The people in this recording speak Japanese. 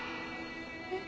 えっ。